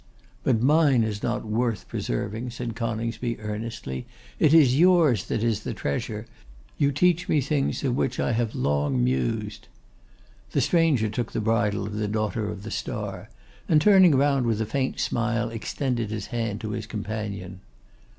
'But mine is not worth preserving,' said Coningsby, earnestly. 'It is yours that is the treasure. You teach me things of which I have long mused.' The stranger took the bridle of 'the Daughter of the Star,' and turning round with a faint smile, extended his hand to his companion.